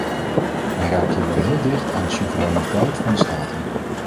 Men raakt hier wel heel dicht aan de soevereiniteit van de staten.